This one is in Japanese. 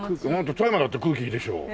富山だって空気いいでしょう。